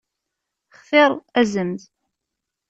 Xtir azemz.